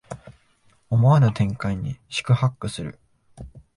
思わぬ展開に四苦八苦する